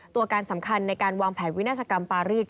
ตัวการสำคัญในการวางแผนวินาศกรรมปารีส